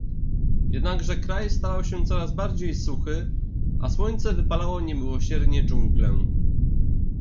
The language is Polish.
Jednakże kraj stawał się coraz bardziej suchy, a słońce wypalało niemiłosiernie dżunglę.